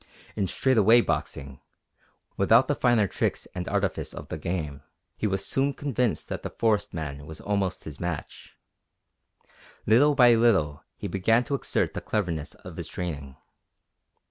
In straight away boxing, without the finer tricks and artifice of the game, he was soon convinced that the forest man was almost his match. Little by little he began to exert the cleverness of his training.